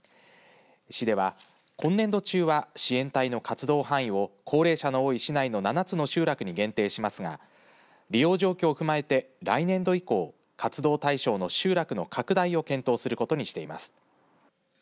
市では今年度中は支援隊の活動範囲を高齢者の多い市内の７つの集落に限定しますが利用状況を踏まえて来年度以降活動対象の集落の拡大を検討することにしています。